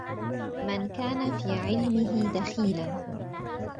من كان في علمه دخيلا